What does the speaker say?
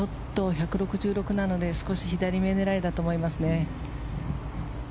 １６６なので少し左め狙いだと思いますね。